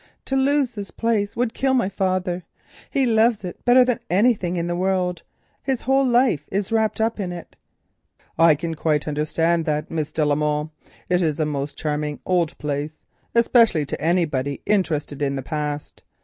"To lose this place would kill my father. He loves it better than anything in the world; his whole life is wrapped up in it." "I can quite understand that, Miss de la Molle; it is a most charming old place, especially to anybody interested in the past.